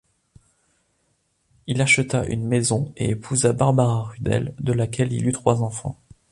Il acheta une maison et épousa Barbara Rudel, de laquelle il eut trois enfants.